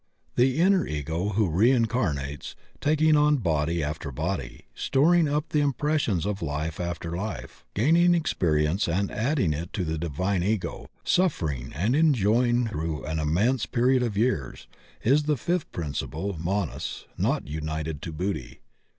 The inner Ego, who reincarnates, taking on body after body, storing up the impressions of life after life, gaining experience and adding it to the divine Ego, suffering and enjoying through an immense period of years, is the fifth principle — Manas — not united to Buddhi.